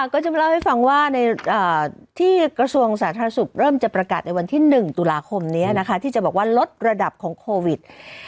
ข้องว่าในที่กระทรวงศาสตราศุดรภิกษาจะประกันในวันที่หนึ่งตุลาคมเนี่ยนะคะที่จะบอกว่าลดระดับของโควิด